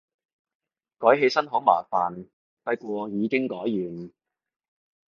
改起身好麻煩，不過已經改完